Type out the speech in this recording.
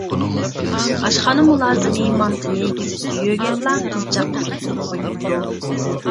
ئاشخانا مۇلازىمى مانتىنى گېزىتكە يۆگەپلا قىزچاققا تۇتقۇزۇپ قويۇپتۇ.